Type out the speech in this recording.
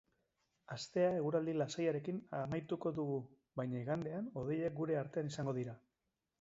Astea eguraldi lasaiarekin amaituko dugu, baina igandean hodeiak gure artean izango dira.